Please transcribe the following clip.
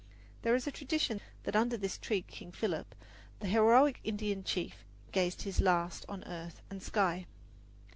There is a tradition that under this tree King Philip, the heroic Indian chief, gazed his last on earth and sky.